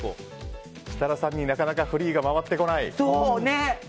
設楽さんになかなかフリーが回ってこない。